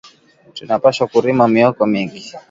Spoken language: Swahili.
Tuna pashwa kurima myoko mingi